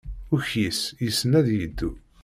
Ukyis yessen ad yeddu.